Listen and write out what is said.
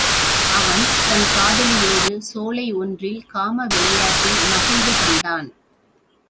அவன் தன் காதலியோடு, சோலை ஒன்றில் காம விளையாட்டில் மகிழ்வு கண்டான்.